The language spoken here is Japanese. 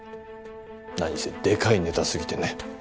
何せでかいネタすぎてね。